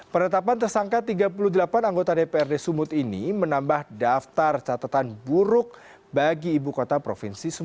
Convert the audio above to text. penetapan tersangka tiga puluh delapan anggota dprd sumut ini menambah daftar catatan buruk bagi ibu kota provinsi sumatera